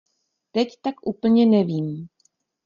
Teď tak úplně nevím.